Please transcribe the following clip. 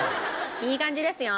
いい感じですよ。